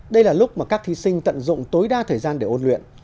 đây là lúc mà các thí sinh tận dụng tối đa thời gian để ôn luyện